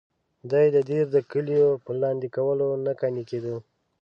دی د دیر د کلیو په لاندې کولو نه قانع کېده.